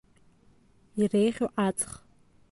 Иреиӷьу аҵх…